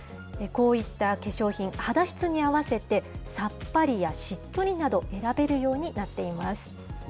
こういった化粧品、肌質に合わせて、さっぱりやしっとりなど選べるようになっています。